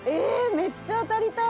めっちゃ当たりたい！」